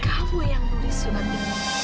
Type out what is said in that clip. kamu yang nulis surat ini